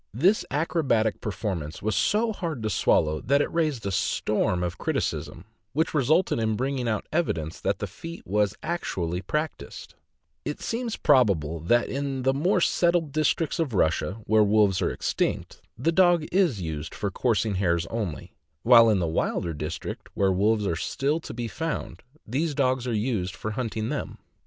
This acrobatic performance was so hard to swallow that it raised a storm of criticism, which resulted in bringing out evidence that the feat was actually practiced; It seems probable that in the more settled districts of Russia, where wolves are extinct, the dog is used for coursing hares only; while in the wilder districts, where wolves are still to be found, these dogs are used for hunting them.